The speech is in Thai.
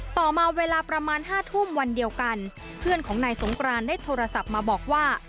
ต่อมาเวลาประมาณ๕ทุ่มวันเดียวกันเพื่อนของนายสงกรานได้โทรศัพท์มาบอกว่า